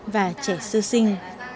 và trẻ sư sinh